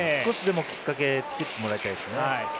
１つでもきっかけを作ってもらいたいです。